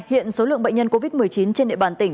hiện số lượng bệnh nhân covid một mươi chín trên địa bàn tỉnh